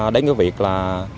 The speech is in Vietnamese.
đấy như việc là